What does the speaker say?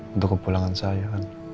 untuk ke pulangan saya